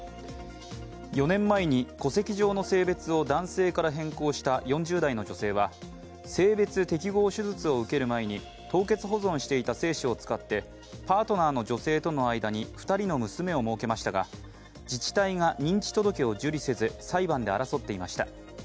４年前に戸籍上の性別を男性から変更した４０代の女性は性別適合手術を受ける前に凍結保存していた精子を使ってパートナーの女性との間に２人の娘をもうけましたが自治体が認知届を受理せず、裁判で争っていました。